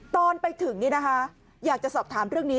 ตอนไปถึงอยากจะสอบถามเรื่องนี้